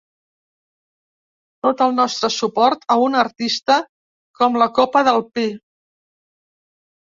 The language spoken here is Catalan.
Tot el nostre suport a una artista com la copa del pi.